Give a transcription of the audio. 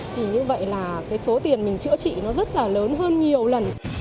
thì như vậy là cái số tiền mình chữa trị nó rất là lớn hơn nhiều lần